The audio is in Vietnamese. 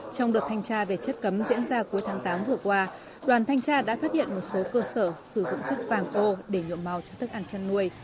trong đợt thanh tra về chất cấm diễn ra cuối tháng tám vừa qua đoàn thanh tra đã phát hiện một số cơ sở sử dụng chất vàng ô để nhuộm màu cho thức ăn chăn nuôi